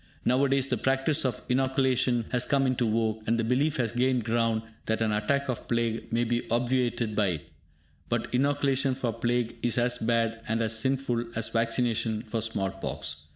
Now a days the practice of inoculation has come into vogue, and the belief has gained ground that an attack of plague may be obviated by it. But inoculation for plague is as bad and as sinful as vaccination for small pox.